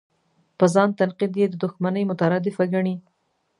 په ځان تنقید یې د دوښمنۍ مترادفه ګڼي.